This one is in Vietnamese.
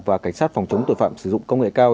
và cảnh sát phòng chống tội phạm sử dụng công nghệ cao